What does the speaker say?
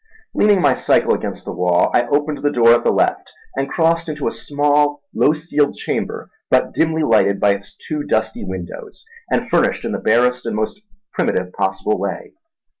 Leaning my cycle against the wall I opened the door at the left, and crossed into a small low ceiled chamber but dimly lighted by its two dusty windows and furnished in the barest and most primitive possible way.